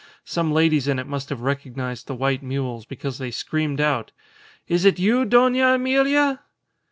Some ladies in it must have recognized the white mules, because they screamed out, "Is it you, Dona Emilia?"